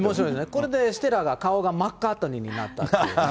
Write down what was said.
これでステラが顔がまっかーとにーになったっていう。